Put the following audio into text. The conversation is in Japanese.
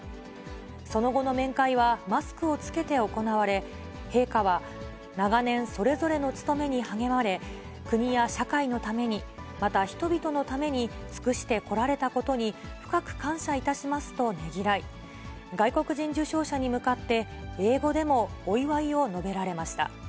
その後の面会は、マスクを着けて行われ、陛下は、長年それぞれの務めに励まれ、国や社会のために、また人々のために尽くしてこられたことに、深く感謝いたしますとねぎらい、外国人受章者に向かって、英語でもお祝いを述べられました。